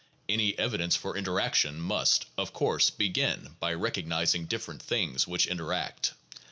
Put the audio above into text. Any evidence for interaction must, of course, begin by recognizing different things which interact.